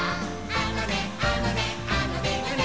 「あのねあのねあのねのね」